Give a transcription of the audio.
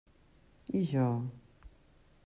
I jo?